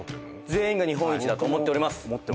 全員が日本一だと思っております